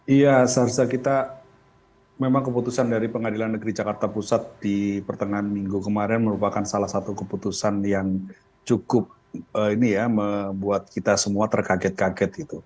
iya memang keputusan dari pengadilan negeri jakarta pusat di pertengahan minggu kemarin merupakan salah satu keputusan yang cukup membuat kita semua terkaget kaget